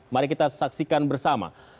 mari kita saksikan bersama